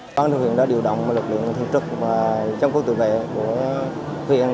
quảng điền đã điều động lực lượng thực trực và trong cơ tự vệ của huyện